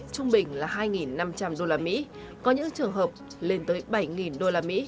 trung bình là hai năm trăm linh usd có những trường hợp lên tới bảy usd